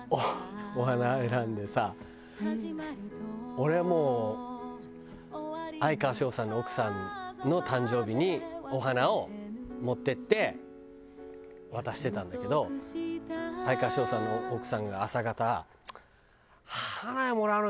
俺はもう哀川翔さんの奥さんの誕生日にお花を持っていって渡してたんだけど哀川翔さんの奥さんが朝方。